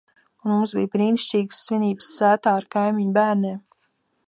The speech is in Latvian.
Un mums bija brīnišķīgas svinības sētā ar kaimiņu bērniem.